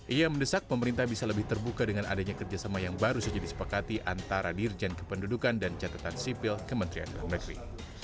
ia mendesak pemerintah bisa lebih terbuka dengan adanya kerjasama yang baru saja disepakati antara dirjen kependudukan dan catatan sipil kementerian dalam negeri